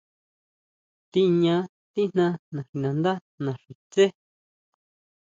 Tiña tijna naxinandá naxi tsé.